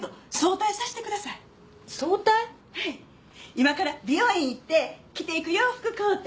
今から美容院行って着ていく洋服買うて。